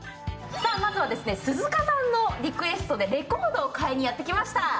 まずは鈴鹿さんのリクエストでレコードを買いにやってきました。